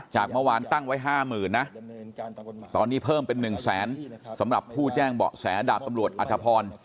จากเมื่อวานตั้งไว้๕๐๐๐นะตอนนี้เพิ่มเป็น๑แสนสำหรับผู้แจ้งเบาะแสดาบตำรวจอัธพร